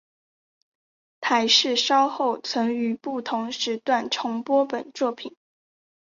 台视稍后曾于不同时段重播本作品。